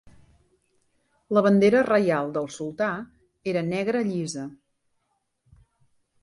La bandera reial del sultà era negra llisa.